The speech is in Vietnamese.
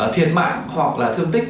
thiệt mạng hoặc là thương tích